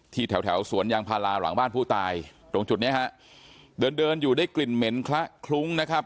แถวแถวสวนยางพาราหลังบ้านผู้ตายตรงจุดเนี้ยฮะเดินเดินอยู่ได้กลิ่นเหม็นคละคลุ้งนะครับ